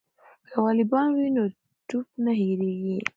که والیبال وي نو ټوپ نه هیریږي.